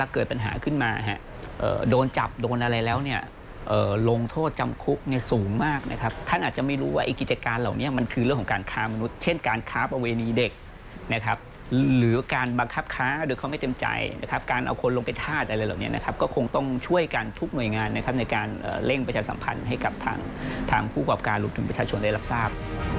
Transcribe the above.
ก็คงต้องช่วยกันทุกหน่วยงานในการเล่นประชาสัมพันธ์ให้กับทางผู้กลับการลูกถึงประชาชนได้รับทราบ